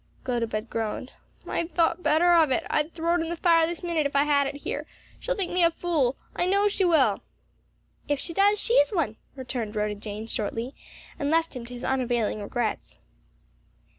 Gotobed groaned. "I'd thought better of it; I'd throw it in the fire this minute if I had it here. She'll think me a fool. I know she will!" "If she does she's one," returned Rhoda Jane shortly, and left him to his unavailing regrets.